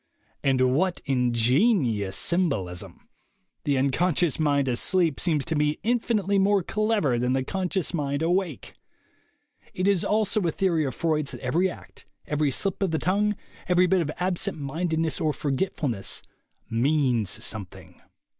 And what ingenious symbolism! The unconscious mind asleep seems to me infinitely more clever than the conscious mind awake ! It is also a theory of Freud's that every act, every slip of the tongue, every bit of absent mindedness or forgetfulness, means something.